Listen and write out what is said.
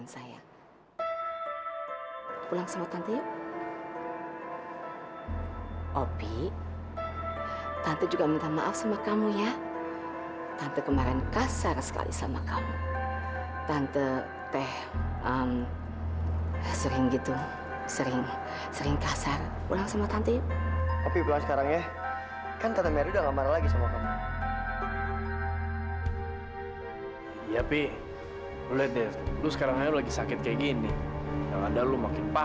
saya harus berterima kasih karena